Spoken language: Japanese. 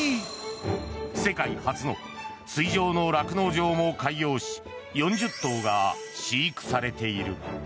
世界初の水上の酪農場も開業し４０頭が飼育されている。